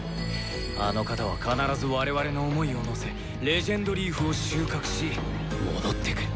あの方は必ず我々の想いをのせ「伝説のリーフ」を収穫し戻ってくる！